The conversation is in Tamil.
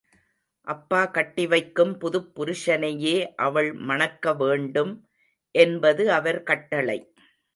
அப்பா கட்டிவைக்கும் புதுப் புருஷனையே அவள் மணக்கவேண்டும் என்பது அவர் கட்டளை.